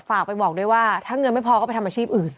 ฝากไปบอกด้วยว่าถ้าเงินไม่พอก็ไปทำอาชีพอื่น